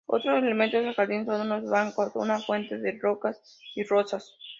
Otros elementos del jardín son sus bancos, una fuente de rocas, y rosas.